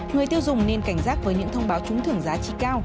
người tiêu dùng nên cảnh giác với những thông báo trúng thưởng giá trị cao